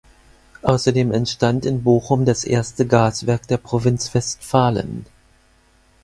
Außerdem entstand in Bochum das erste Gaswerk der Provinz Westfalen.